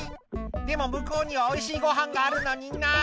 「でも向こうにはおいしいごはんがあるのにな」